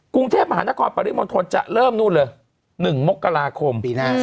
กรุงเทพมหานครปริมทรจะเริ่มนู่นเลย๑มกราคม๒๕๖๔